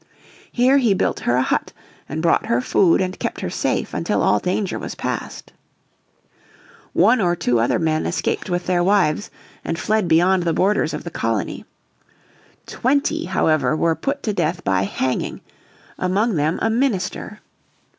Here he built her a hut and brought her food and kept her safe until all danger was passed. One or two other men escaped with their wives and fled beyond the borders of the colony. Twenty, however, were put to death by hanging, among them a minister.